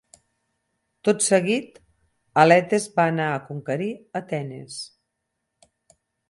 Tot seguit, Aletes va anar a conquerir Atenes.